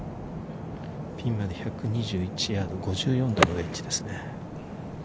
ピンまで１２１ヤード、５４度のウェッジですね。